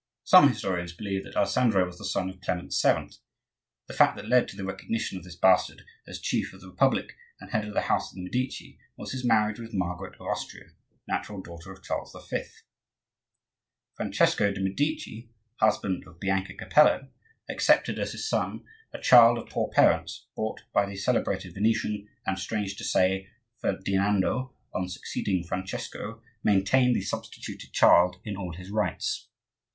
Some historians believe that Alessandro was the son of Clement VII. The fact that led to the recognition of this bastard as chief of the republic and head of the house of the Medici was his marriage with Margaret of Austria, natural daughter of Charles V. Francesco de' Medici, husband of Bianca Capello, accepted as his son a child of poor parents bought by the celebrated Venetian; and, strange to say, Ferdinando, on succeeding Francesco, maintained the substituted child in all his rights.